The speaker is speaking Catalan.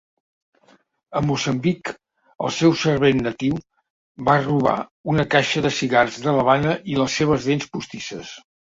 A Moçambic, el seu servent natiu va robar una caixa de cigars de l'Havana i les seves dents postisses.